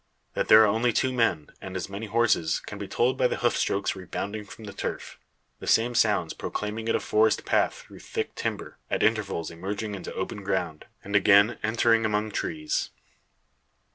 That there are only two men, and as many horses, can be told by the hoof strokes rebounding from the turf; the same sounds proclaiming it a forest path through thick timber, at intervals emerging into open ground, and again entering among trees.